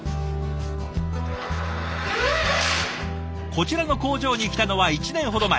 こちらの工場に来たのは１年ほど前。